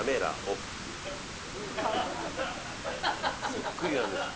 そっくりなんです。